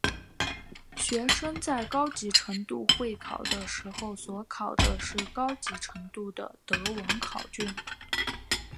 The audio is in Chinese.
学生在高级程度会考的时候所考的是高级程度的德文考卷。